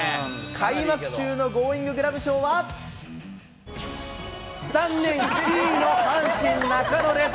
開幕中のゴーインググラブ賞は、残念、Ｃの阪神、中野です。